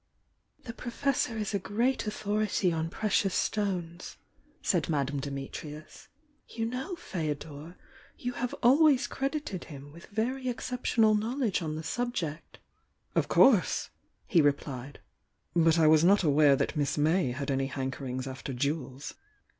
"The Professor is a great authority on precious stones, said Madame Dimitrius. "You know, Feo dor, you have always credited him with very excep tional knowledge on the subject." *i."PL*;°"^^'" ^^ '■^P"^^ "But I was not aware taat Miss May had any hankerings after jewels."